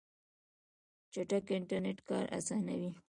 چټک انټرنیټ کار اسانوي.